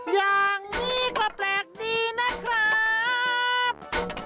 อย่างนี้ก็แปลกดีนะครับ